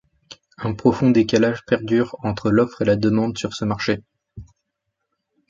Un profond décalage perdure entre l'offre et la demande sur ce marché.